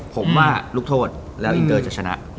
ผมว่าลูกโทษแล้วอินเตอร์จะชนะ